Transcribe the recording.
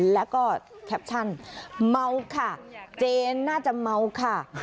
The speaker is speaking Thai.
แล้วก็แคปชั่นเมาค่ะเจนน่าจะเมาค่ะ